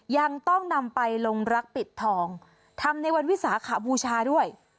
ยังต้องนำไปลงรักปิดทองทำในวันวิสาขบูชาด้วย